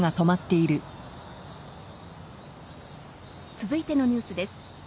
続いてのニュースです。